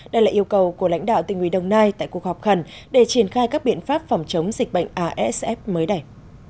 đây là yêu cầu của lãnh đạo tỉnh ủy đồng nai tại cuộc họp khẩn để triển khai các biện pháp phòng chống dịch bệnh asf mới này